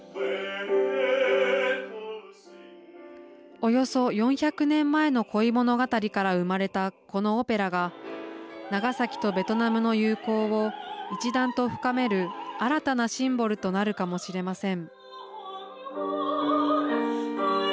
およそ４００年前の恋物語から生まれたこのオペラが長崎とベトナムの友好を一段と深める、新たなシンボルとなるかもしれません。